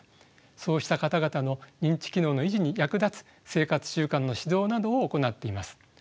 そうした方々の認知機能の維持に役立つ生活習慣の指導などを行っています。